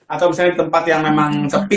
atau misalnya di tempat yang memang sepi